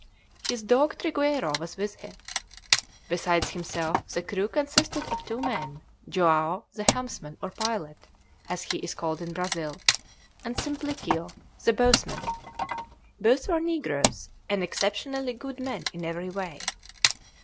His dog Trigueiro was with him. Besides himself, the crew consisted of two men: Joao, the helmsman, or pilot, as he is called in Brazil, and Simplicio, the bowsman. Both were negroes and exceptionally good men in every way.